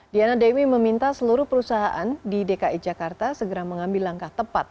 diana dewi meminta seluruh perusahaan di dki jakarta segera mengambil langkah tepat